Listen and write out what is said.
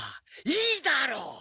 いいだろう。